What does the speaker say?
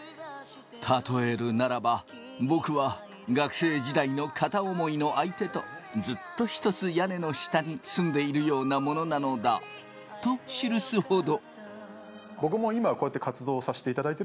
例えるならば僕は学生時代の片思いの相手とずっと一つ屋根の下に住んでいるようなものなのだと記すほど。